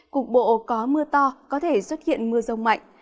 cục bộ có mưa to có thể xuất hiện mưa rông mạnh